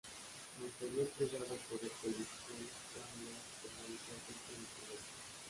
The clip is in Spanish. Aunque había entregado el poder político, Juan Uroš permaneció rico e influyente.